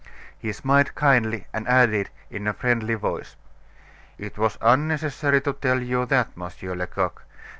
He smiled kindly, and added, in a friendly voice: "It was unnecessary to tell you that, Monsieur Lecoq.